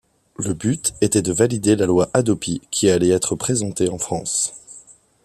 Le but était de valider la loi Hadopi qui allait être présentée en France.